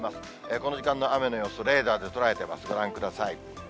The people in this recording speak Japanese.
この時間の雨の様子、レーダーで捉えてます、ご覧ください。